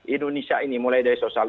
indonesia ini mulai dari sosial